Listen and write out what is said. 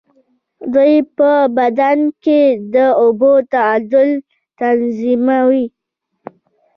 دوی په بدن کې د اوبو تعادل تنظیموي.